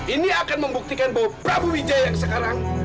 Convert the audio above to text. ini akan membuktikan bahwa prabu wijaya sekarang